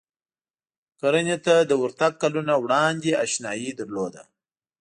کرنې ته له ورتګ کلونه وړاندې اشنايي درلوده.